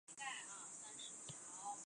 男裙是指男性所着的裙子。